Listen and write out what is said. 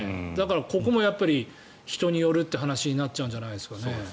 ここも人によるという話になっちゃうんじゃないんですかね。